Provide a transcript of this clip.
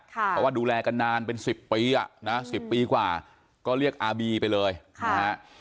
เพราะว่าดูแลกันนานเป็น๑๐ปีอ่ะนะ๑๐ปีกว่าก็เรียกอาบีไปเลยนะฮะ